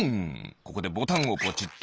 ここでボタンをぽちっと。